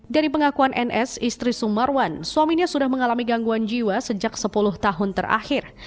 dari pengakuan ns istri sumarwan suaminya sudah mengalami gangguan jiwa sejak sepuluh tahun terakhir